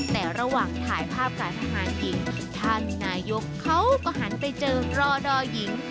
แต่ระหว่างถ่ายภาพกับทหารหญิงท่านนายกเขาก็หันไปเจอรอดอหญิง